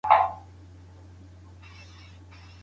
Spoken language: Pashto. ټولنیز مهارتونه په ښوونځي کي پیاوړي کیږي.